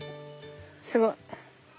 すごい。